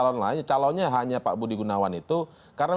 perpanjangan usia pensiun